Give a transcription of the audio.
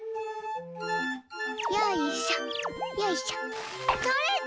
よいしょよいしょとれた！